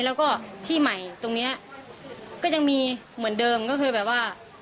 แล้วก็ที่ใหม่ตรงนี้ก็ยังมีเหมือนเดิมก็คือแบบว่า